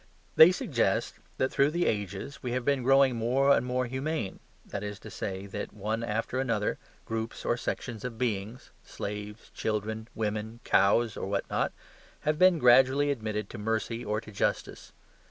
They suggest that through the ages we have been growing more and more humane, that is to say, that one after another, groups or sections of beings, slaves, children, women, cows, or what not, have been gradually admitted to mercy or to justice.